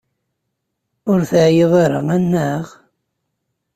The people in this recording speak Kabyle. Ur teɛyiḍ ara, annaɣ?